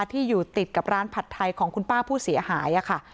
ที่อยู่ติดกับร้านผัดไทยของคุณป้าผู้เสียหายค่ะ